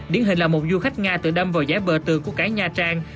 điển hình là một du khách nga tự đâm vào giái bờ tường của cái nha trang